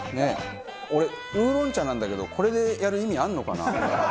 俺ウーロン茶なんだけどこれでやる意味あるのかな？